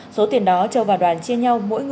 số tiền đó châu và đoàn chia nhau mỗi người